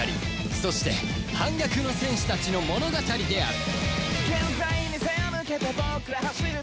そして反逆の戦士たちの物語である